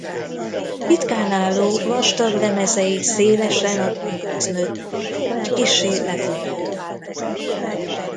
Ritkán álló vastag lemezei szélesen a tönkhöz nőttek vagy kissé lefutók.